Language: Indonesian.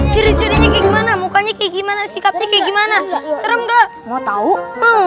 ciri cirinya kayak gimana mukanya kayak gimana sikapnya kayak gimana serem gak mau tau